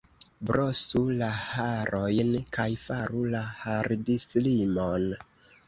Brosu la harojn kaj faru la hardislimon!